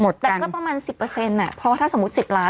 หมดกันก็ประมาณสิบเปอร์เซ็นต์น่ะพอถ้าสมมุติสิบล้าน